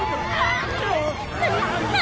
何？